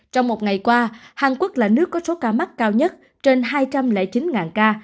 trong một ngày qua hàn quốc là nước có số ca mắc cao nhất trên hai trăm linh chín ca